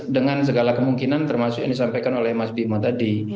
dengan segala kemungkinan termasuk yang disampaikan oleh mas bimo tadi